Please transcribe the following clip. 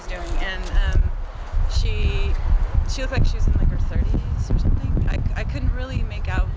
เยี่ยม